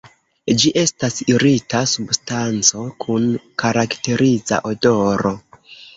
Ĝi estas irita substanco kun karakteriza odoro.